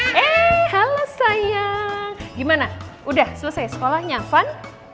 hei halo sayang gimana udah selesai sekolahnya fun